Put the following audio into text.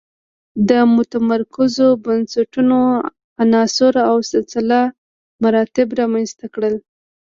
د متمرکزو بنسټونو عناصر او سلسله مراتب رامنځته کړل.